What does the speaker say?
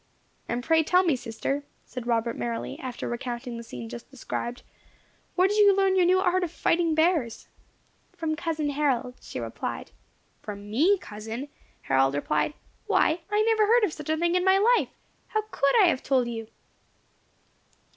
"And pray tell me, sister," said Robert merrily, after recounting the scene just described, "where did you learn your new art of fighting bears?" "From cousin Harold," she replied. "From me, cousin!" Harold repeated. "Why, I never heard of such a thing in my life. How could I have told you?"